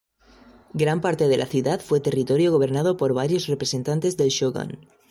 Gran parte de la ciudad fue territorio gobernado por varios representantes del Shogun.